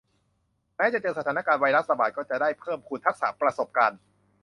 แม้จะเจอสถานการณ์ไวรัสระบาดก็จะได้เพิ่มพูนทักษะประสบการณ์